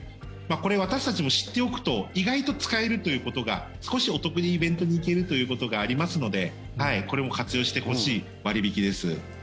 これ私たちも知っておくと意外と使えるということが少しお得にイベントに行けるということがありますのでこれも活用してほしい割引です。